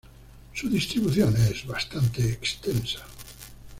Su distribución es bastante extensa.